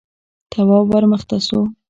تواب ور مخته شو: